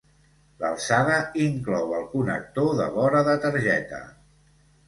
L'alçada inclou el connector de vora de targeta.